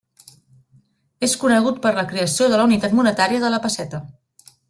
És conegut per la creació de la unitat monetària de la pesseta.